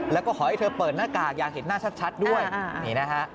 แล้วก็ขอให้เธอเปิดหน้ากากอยากเห็นหน้าชัดด้วยนี่นะฮะ